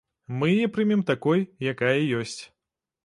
Мы яе прымем такой, якая ёсць.